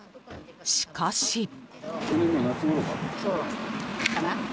しかし。